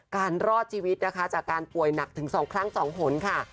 รอดชีวิตนะคะจากการป่วยหนักถึง๒ครั้ง๒หนค่ะ